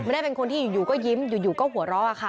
ไม่ได้เป็นคนที่อยู่ก็ยิ้มอยู่ก็หัวเราะค่ะ